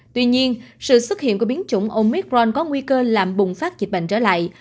tuy nhiên sự xuất hiện của biến chủng omicron có nguy cơ làm bùng phát dịch bệnh trở lại